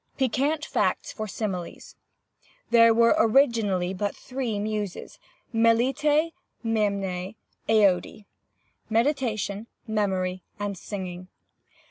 "PIQUANT FACTS FOR SIMILES. 'There were originally but three Muses—Melete, Mneme, Aœde—meditation, memory, and singing.